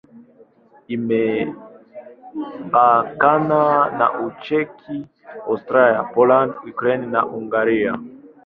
Imepakana na Ucheki, Austria, Poland, Ukraine na Hungaria.